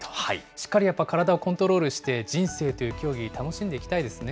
しっかり、やっぱり体をコントロールして、人生という競技、楽しんでいただきたいですね。